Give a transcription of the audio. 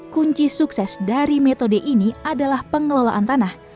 kunci sukses dari metode ini adalah pengelolaan tanah